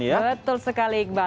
betul sekali iqbal